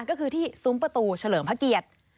ก็คือที่สุมประตูเฉลิงพะเกีรต